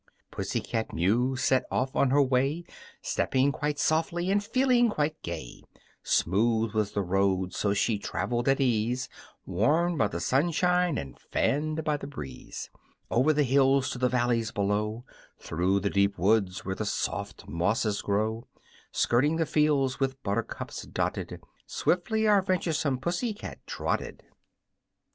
_" PUSSY CAT MEW set off on her way, Stepping quite softly and feeling quite gay. Smooth was the road, so she traveled at ease, Warmed by the sunshine and fanned by the breeze. Over the hills to the valleys below, Through the deep woods where the soft mosses grow, Skirting the fields, with buttercups dotted, Swiftly our venturesome Pussy cat trotted.